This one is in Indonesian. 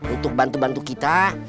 untuk bantu bantu kita